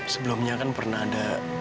sebelumnya kan pernah ada